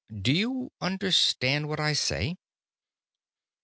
Do you understand what I say?"